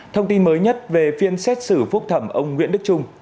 thông tin mới nhất về phiên xét xử phúc thẩm ông nguyễn đức trung